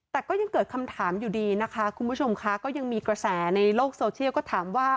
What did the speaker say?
แต่ก็ยังเกิดคำถามอยู่ดีนะคะคุณผู้ชมค่ะก็ยังมีกระแสในโลกโซเชียลก็ถามว่า